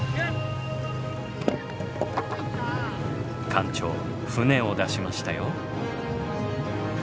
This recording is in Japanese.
館長船を出しましたよ。